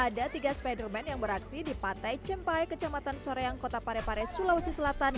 ada tiga spiderman yang beraksi di pantai cempai kecamatan soreang kota parepare sulawesi selatan